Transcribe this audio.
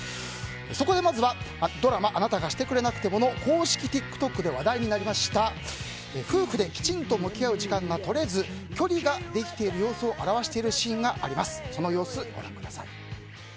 そこで、まずはドラマ「あなたがしてくれなくても」の公式ＴｉｋＴｏｋで話題になりました夫婦できちんと向き合う時間が取れず距離ができている様子を表しているシーンがあります。